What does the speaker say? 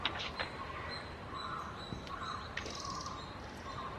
是一个重要的区域性商业和旅游业中心。